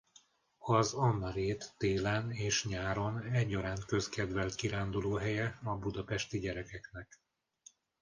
Az Anna-rét télen és nyáron egyaránt közkedvelt kirándulóhelye a budapesti gyerekeknek.